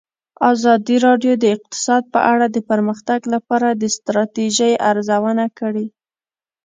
ازادي راډیو د اقتصاد په اړه د پرمختګ لپاره د ستراتیژۍ ارزونه کړې.